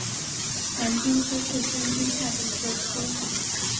盘菌科是真菌下的一个科。